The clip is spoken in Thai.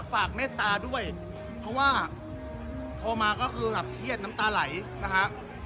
เมตตาด้วยเพราะว่าโทรมาก็คือแบบเครียดน้ำตาไหลนะฮะ